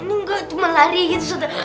ini enggak cuma lari gitu sudah